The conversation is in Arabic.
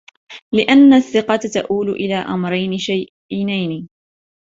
لِأَنَّ الثِّقَةَ تَئُولُ إلَى أَمْرَيْنِ شَيْنَيْنِ